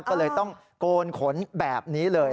ก็เลยต้องโกนขนแบบนี้เลย